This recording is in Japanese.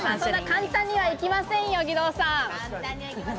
簡単にはいきませんよ、義堂さん。